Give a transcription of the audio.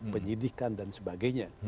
penyelidikan dan sebagainya